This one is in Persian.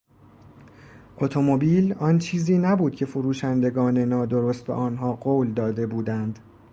اتومبیل، آن چیزی نبود که فروشندگان نادرست به آنها قول داده بودند.